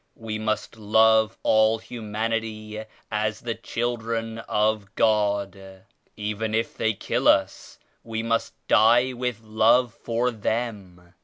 "We must love all humanity as the children of God. Even if they kill us we must die with love for them.